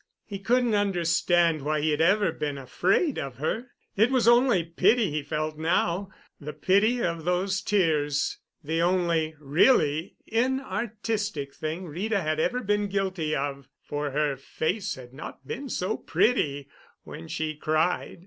He couldn't understand why he had ever been afraid of her. It was only pity he felt now, the pity of those tears, the only really inartistic thing Rita had ever been guilty of, for her face had not been so pretty when she cried.